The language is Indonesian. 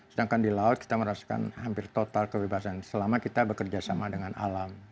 sedangkan di laut kita merasakan hampir total kebebasan selama kita bekerja sama dengan alam